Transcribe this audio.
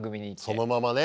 そのままね。